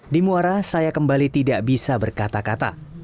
di muara saya kembali tidak bisa berkata kata